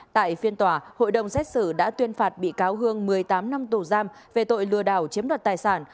tại phiên tòa hội đồng xét xử đã tuyên phạt bị cáo hương một mươi tám năm tù giam về tội lừa đảo chiếm đoạt tài sản